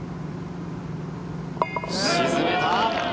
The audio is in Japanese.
沈めた！